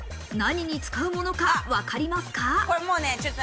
何に使うものかわかりますか？